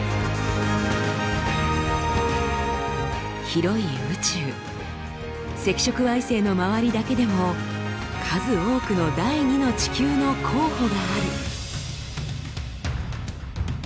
広い宇宙赤色矮星の周りだけでも数多くの第２の地球の候補がある。